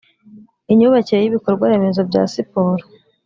imyubakire y ibikorwaremezo bya siporo